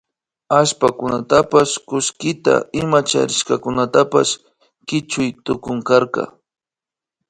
Allpakunata kullkita ima charishkakunatapash kichuy tukunkarka